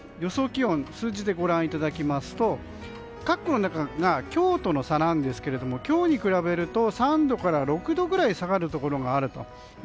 気温数字でご覧いただきますとかっこの中が今日との差なんですが今日と比べると３度から６度くらい下がるところがあると。